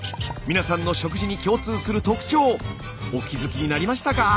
皆さんの食事に共通する特徴お気付きになりましたか？